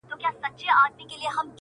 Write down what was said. درد لا هم هماغسې پاتې دی،